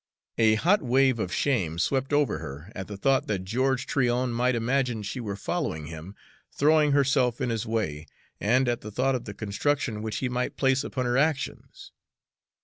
A hot wave of shame swept over her at the thought that George Tryon might imagine she were following him, throwing herself in his way, and at the thought of the construction which he might place upon her actions.